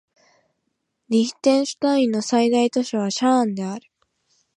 リヒテンシュタインの最大都市はシャーンである